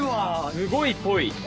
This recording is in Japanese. すごいっぽい！